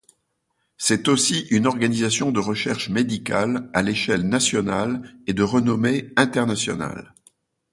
C'est aussi une organisation de recherche médicale à l'échelle nationale et de renommée internationale.